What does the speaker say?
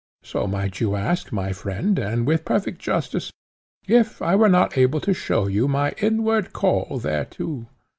so might you ask, my friend, and with perfect justice, if I were not able to show you my inward call thereto.